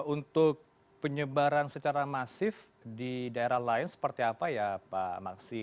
untuk penyebaran secara masif di daerah lain seperti apa ya pak maksi